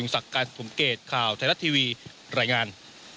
สักการณ์ผมเกศข่าวไทยรัฐทีวีรายงาน